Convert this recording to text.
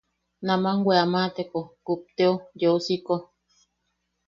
Naman weamateko kupteo, yeu siiko.